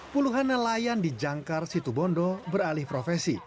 puluhan nelayan di jangkar situ bondo beralih profesi